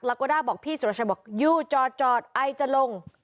โกด้าบอกพี่สุรชัยบอกอยู่จอดไอจะลง